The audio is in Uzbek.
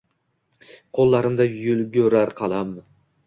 Qo’llarimda yugurar qalam.